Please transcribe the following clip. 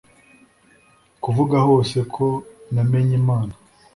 kuvuga hose ko namenye imana